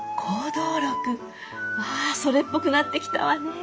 わあそれっぽくなってきたわね。